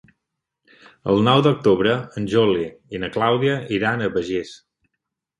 El nou d'octubre en Juli i na Clàudia iran a Begís.